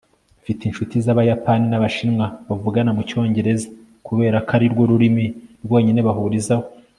Mfite inshuti zAbayapani nAbashinwa bavugana mu Cyongereza kubera ko ari rwo rurimi rwonyine bahurizaho